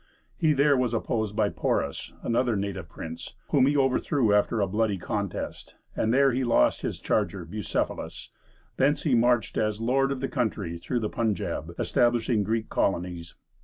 He there was opposed by Porus, another native prince, whom he overthrew after a bloody contest, and there he lost his charger Bucephalus; thence he marched as lord of the country, through the Punjab, establishing Greek colonies.